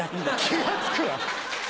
気が付くわ！